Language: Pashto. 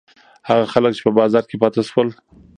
هغه خلک چې په بازار کې پاتې شول.